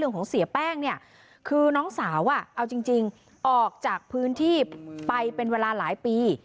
ของเสียแป้งเนี่ยคือน้องสาวเอาจริงออกจากพื้นที่ไปเป็นเวลาหลายปี